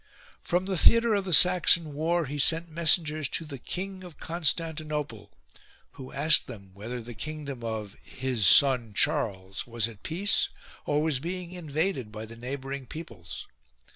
From the theatre of the Saxon war he sent messengers to the King of Constantinople ; who asked them whether the kingdom of " his son Charles " was at peace or was being invaded by the neighbouring peoples.